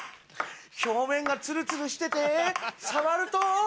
表面がツルツルしてて触ると。